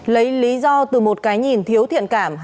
lấy lý do từ một cái nhìn thiếu thiện cảm